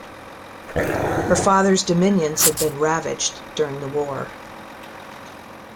Her father's dominions had been ravaged during the war.